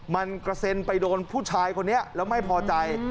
มันกระเซ็นไปโดนผู้ชายคนนี้แล้วไม่พอใจ